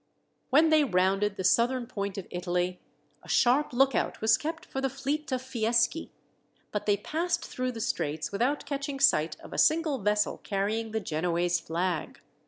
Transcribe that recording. When they rounded the southern point of Italy a sharp lookout was kept for the fleet of Fieschi, but they passed through the straits without catching sight of a single vessel carrying the Genoese flag.